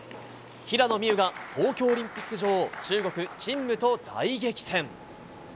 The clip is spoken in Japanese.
平野美宇が東京オリンピック女王中国、チン・ムと大激戦。